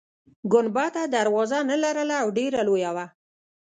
ګنبده دروازه نلرله او ډیره لویه وه.